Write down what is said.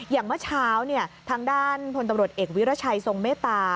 เมื่อเช้าทางด้านพลตำรวจเอกวิรัชัยทรงเมตตา